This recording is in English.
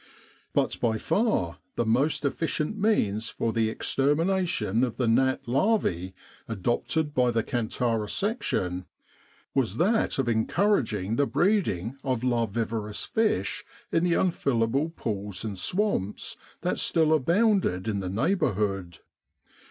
But by far the most efficient means for the extermination of the gnat larvae adopted by the Kantara Section, was that of encouraging the breeding of larvivorous fish in the L I6 5 With the R.A.M.C. in Egypt unfillable pools and swamps that still abounded in the neighbourhood.